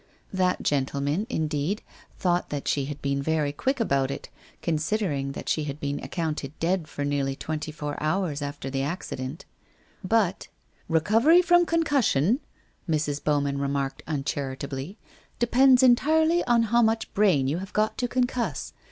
That gentleman, indeed, thought that she had been very quick about it, considering that she had been accounted dead for nearly twenty four hours after the accident, but, ' recovery from concussion/ Mrs. Bowman remarked uncharitably, ' depends entirely on how much brain you have got to concuss.